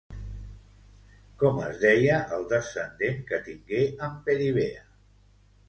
Com es deia el descendent que tingué amb Peribea?